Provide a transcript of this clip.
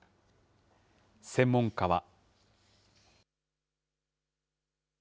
専門家は。